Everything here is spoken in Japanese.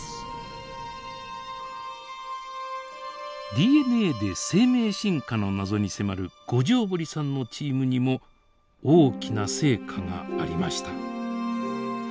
ＤＮＡで生命進化の謎に迫る五條堀さんのチームにも大きな成果がありました。